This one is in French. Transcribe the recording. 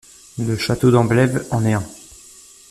Le château d'Amblève en est un.